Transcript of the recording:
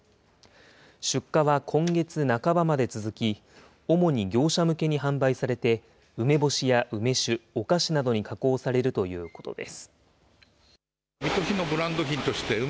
出荷は今月半ばまで続き、主に業者向けに販売されて、梅干しや梅酒、お菓子などに加工されるということです。